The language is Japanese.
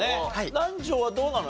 南條はどうなの？